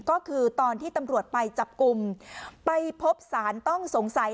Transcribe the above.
ก็คือตอนที่ตำรวจไปจับกลุ่มไปพบสารต้องสงสัย